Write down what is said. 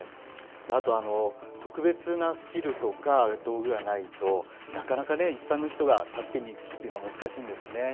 あと特別なスキルとか、道具がないと、なかなか一般の人が助けにっていうのは難しいんですね。